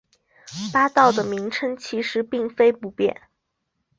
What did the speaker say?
八道的名称其实并非不变。